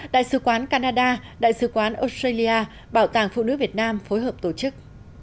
đại sứ quán canada đại sứ quán australia bảo tàng phụ nữ việt nam phối hợp tổ chức